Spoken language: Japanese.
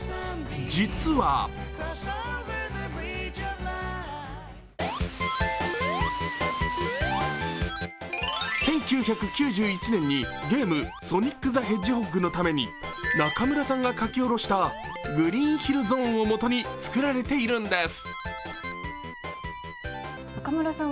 実は１９９１年にゲーム「ソニック・ザ・ヘッジホッグ」のために中村さんが書き下ろした「ＧｒｅｅｎＨｉｌｌＺｏｎｅ」をもとに作られているんです。